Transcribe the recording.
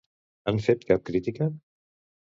Han fet cap crítica?